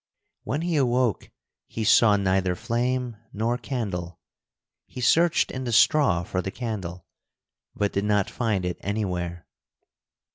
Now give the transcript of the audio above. When he awoke he saw neither flame nor candle. He searched in the straw for the candle, but did not find it anywhere.